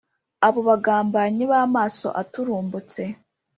abo bagambanyi b’amaso aturumbutse